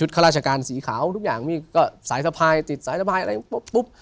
ข้าราชการสีขาวทุกอย่างมีก็สายสะพายติดสายสะพายอะไรปุ๊บ